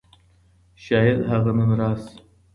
شايد هغه نن راشي.